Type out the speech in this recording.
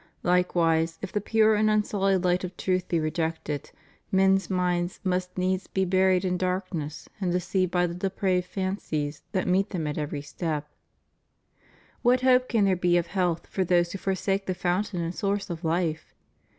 Likewise, if the pure and unsullied hght of truth be rejected, men's minds must needs be buried in darkness and deceived by the depraved fancies that meet them at every step. What hope can there be of health for those who forsake the fountain and source of life?